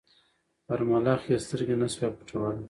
پر ملخ یې سترګي نه سوای پټولای